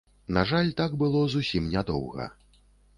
На жаль, так было зусім нядоўга.